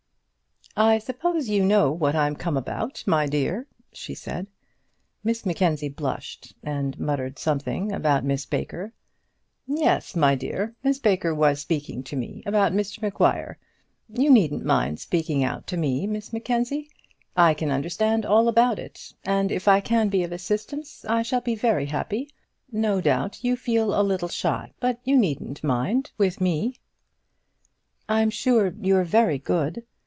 "I suppose you know what I'm come about, my dear," she said. Miss Mackenzie blushed, and muttered something about Miss Baker. "Yes, my dear; Miss Baker was speaking to me about Mr Maguire. You needn't mind speaking out to me, Miss Mackenzie. I can understand all about it; and if I can be of any assistance, I shall be very happy. No doubt you feel a little shy, but you needn't mind with me." "I'm sure you're very good."